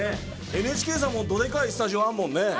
ＮＨＫさんもどでかいスタジオあるもんね。